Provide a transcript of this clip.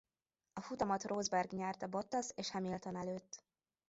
A futamot Rosberg nyerte Bottas és Hamilton előtt.